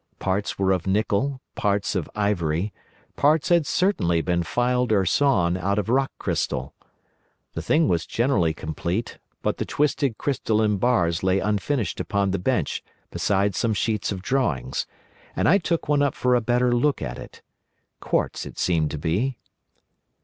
Parts were of nickel, parts of ivory, parts had certainly been filed or sawn out of rock crystal. The thing was generally complete, but the twisted crystalline bars lay unfinished upon the bench beside some sheets of drawings, and I took one up for a better look at it. Quartz it seemed to be.